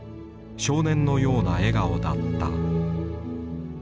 少年のような笑顔だった。